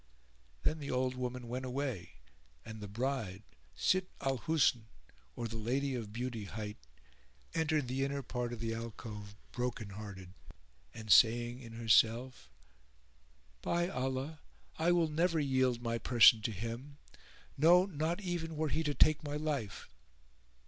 Then the old woman went away and the bride, Sitt al Husn or the Lady of Beauty hight, entered the inner part of the alcove broken hearted and saying in herself, "By Allah I will never yield my person to him; no, not even were he to take my life!"